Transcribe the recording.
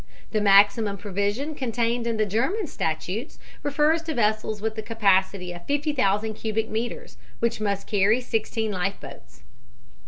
The maximum provision contained in the German statutes refers to vessels with the capacity of 50,000 cubic metres, which must carry sixteen life boats.